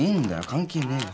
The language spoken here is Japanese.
関係ねえよ。